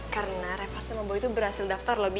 karena reva sama boy tuh berhasil daftar loh bi